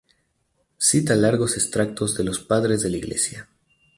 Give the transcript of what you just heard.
Cita largos extractos de los Padres de la Iglesia.